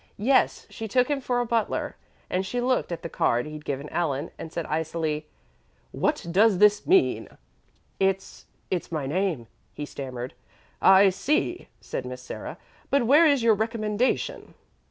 "Yes, she took him for a butler; and she looked at the card he'd given Ellen, and said icily, 'What does this mean?' "'It's it's my name,' he stammered. "'I see,' said Miss Sarah; 'but where is your recommendation?'